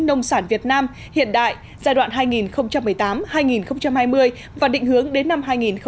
nông sản việt nam hiện đại giai đoạn hai nghìn một mươi tám hai nghìn hai mươi và định hướng đến năm hai nghìn ba mươi